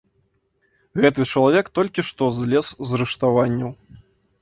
Гэты чалавек толькі што злез з рыштаванняў.